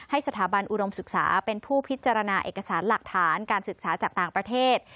สถาบันอุดมศึกษาเป็นผู้พิจารณาเอกสารหลักฐานการศึกษาจากต่างประเทศ